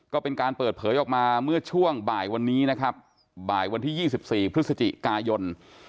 ก็เป็นการเปิดเผยออกมาเมื่อช่วงบ่ายวันนี้นะครับบ่ายวันที่๒๔พฤศจิกายน